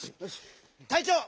たいちょう！